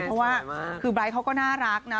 เพราะว่าคือไบร์ทเขาก็น่ารักนะ